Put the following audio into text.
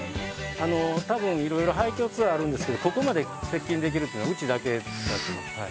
たぶんいろいろ廃墟ツアーあるんですけどここまで接近できるっていうのはうちだけはい。